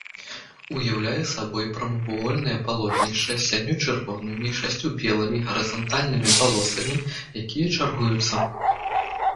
Уяўляе сабой прамавугольнае палотнішча з сямю чырвонымі і шасцю белымі гарызантальнымі палосамі, якія чаргуюцца.